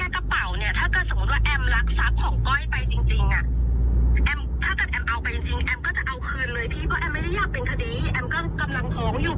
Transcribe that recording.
แต่ละก็พี่จะพยายามหายได้มากที่สุด